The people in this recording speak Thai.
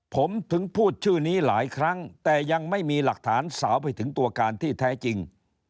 ผมถึงพูดชื่อนี้หลายครั้งแต่ยังไม่มีหลักฐานสาวไปถึงตัวการที่แท้จริง